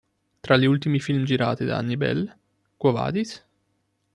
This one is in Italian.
Tra gli ultimi film girati da Annie Belle "Quo vadis?